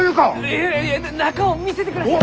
いえいえ中を見せてください！